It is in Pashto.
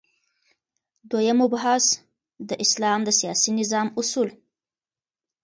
دوهم مبحث : د اسلام د سیاسی نظام اصول